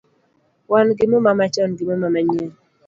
Wan gi muma machon gi muma manyien